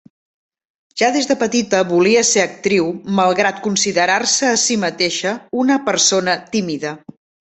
Ja des de petita volia ser actriu malgrat considerar-se a si mateixa una persona tímida.